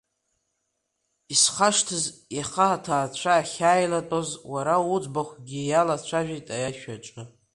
Исхашҭыз, иаха аҭаацәа ахьааилатәоз уара уӡбахәгьы иалацәажәеит аишәаҿы.